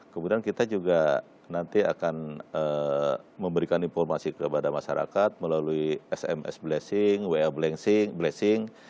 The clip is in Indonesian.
kemudian kita juga nanti akan memberikan informasi kepada masyarakat melalui sms blessing wa blengsing blessing